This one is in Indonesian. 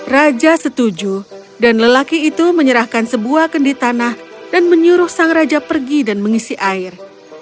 raja setuju dan lelaki itu menyerahkan sebuah kendi tanah dan menyuruh sang raja pergi dan mengisi air